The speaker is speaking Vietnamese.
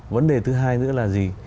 vấn đề thứ hai nữa là gì